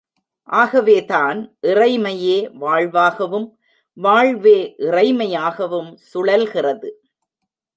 ஆகவேதான் இறைமையே வாழ்வாகவும், வாழ்வே இறைமையாகவும் சுழல்கிறது!...